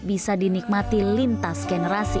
bisa dinikmati lintas generasi